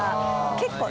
結構。